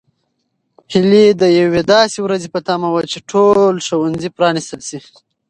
هیلې د یوې داسې ورځې په تمه وه چې ټول ښوونځي پرانیستل شي.